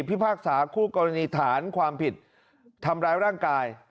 พิพากษาคู่กรณีฐานความผิดทำร้ายร่างกาย